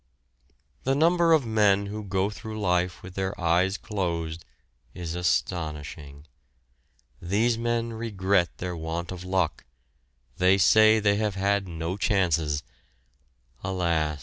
The number of men who go through life with their eyes closed is astonishing. These men regret their want of luck, they say they have had no chances; alas!